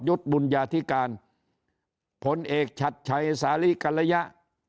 ยุดบุญยาธิการพลเอกฉัดไชสาลีกำระยหพลเอก